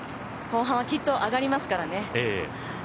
後半はきっと上がりますからね。